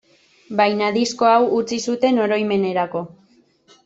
Baina disko hau utzi zuten oroimenerako.